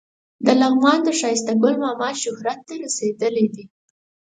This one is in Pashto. د لغمان ښایسته ګل ماما شهرت ته رسېدلی دی.